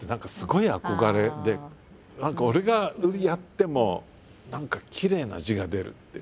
俺がやっても何かきれいな字が出るっていう。